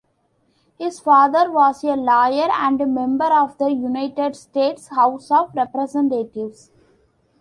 His father was a lawyer and member of the United States House of Representatives.